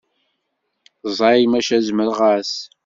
Ẓẓay maca zemreɣ-as.